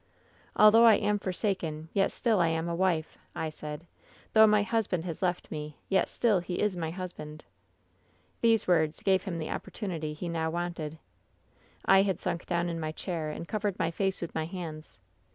" ^Although I am forsaken, yet still I am a wife 1' I said ; ^though my husband has left me, yet still he is my husband.' "These words gave him the opportunity he now wanted. 190 WHEN SHADOWS DEE ''I had sunk down in my chair and covered my faos with my hands.